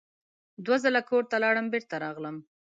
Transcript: دوه ځله کور ته لاړم بېرته راغلم.